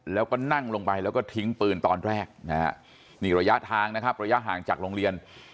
แล้วก็นั่งลงไปแล้วก็ทิ้งปืนตอนแรกนะฮะนี่ระยะทางนะครับระยะห่างจากโรงเรียน